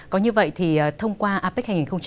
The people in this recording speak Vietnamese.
có như vậy thì thông qua apec hai nghìn một mươi bảy